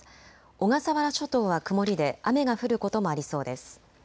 小笠原諸島は曇りで雨が降ることもありそうです。